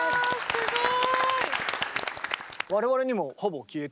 すごい。